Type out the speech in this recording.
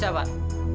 tidak bisa pak